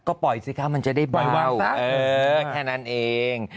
ก็ปล่อยสิคะมันจะได้เบาแค่นั้นเอง